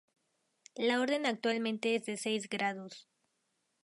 La Orden actualmente es de seis grados.